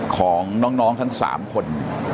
ของน้องทั้ง๓คน